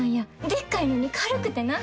でっかいのに軽くてな。